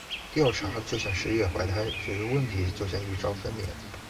调查就像“十月怀胎”，解决问题就像“一朝分娩”。